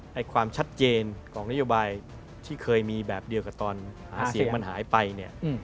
ความชัดเจนของนโยบายที่เคยมีแบบเดียวกับตอนหาเสียงมันหายไปเนี่ย